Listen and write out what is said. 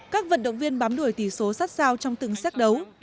các vận động viên bám đuổi tỷ số sát sao trong từng xét đấu